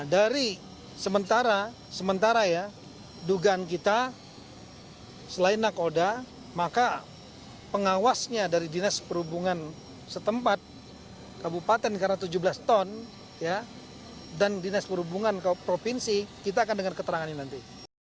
dari sementara ya dugaan kita selain nakoda maka pengawasnya dari dinas perhubungan setempat kabupaten karena tujuh belas ton dan dinas perhubungan provinsi kita akan dengar keterangan ini nanti